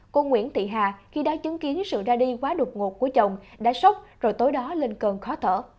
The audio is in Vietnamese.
cô nguyễn thị hà khi đã chứng kiến sự ra đi quá đột ngột của chồng đã sốc rồi tối đó lên cơn khó thở